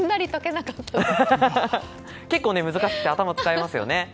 結構難しくて頭を使いますよね。